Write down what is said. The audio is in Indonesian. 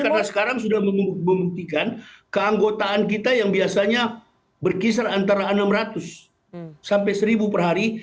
karena sekarang sudah membuktikan keanggotaan kita yang biasanya berkisar antara enam ratus sampai seribu per hari